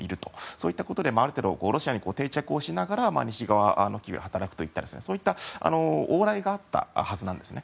そういったことである程度、ロシアに定着しながら西側の企業で働くといったそういった往来があったはずなんですね。